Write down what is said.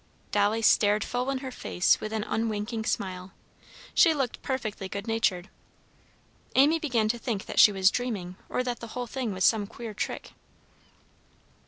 Dolly stared full in her face with an unwinking smile. She looked perfectly good natured. Amy began to think that she was dreaming, or that the whole thing was some queer trick.